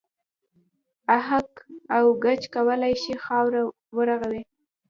اهک او ګچ کولای شي خاوره و رغوي.